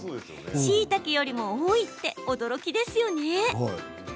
しいたけよりも多いって驚きですよね。